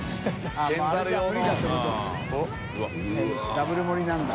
ダブル盛りなんだ。